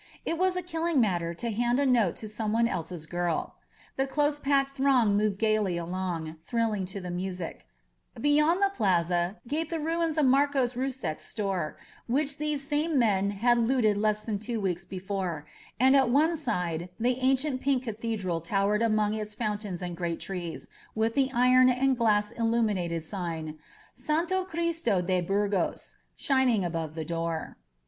It was a killing matter to hand a note to someone else's girl. The close packed throng moved gaily on, thrilling to the music. ..• Beyond 156 DUELLO A LA FRIGADA the plaza gaped the ruins of Marcos Russek's store, which these same men had looted less than two weeks before, and at one side the ancient pink cathedral tow ered among its fountains and great trees, with the iron and glass illuminated sign, ^^Santo Cristo de Bur gos,'' shining above the door.